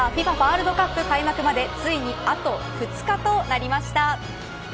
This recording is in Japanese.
ワールドカップ開幕までついにあと２日となりました。